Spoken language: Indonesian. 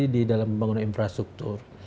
di dalam pembangunan infrastruktur